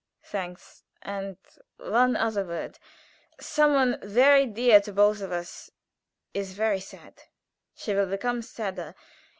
"Thanks. And one other word. Some one very dear to us both is very sad; she will become sadder.